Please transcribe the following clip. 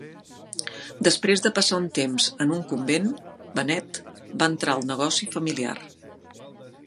Després de passar un temps en un convent, Bennett va entrar al negoci familiar.